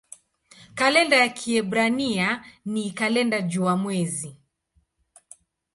Kalenda ya Kiebrania ni kalenda jua-mwezi.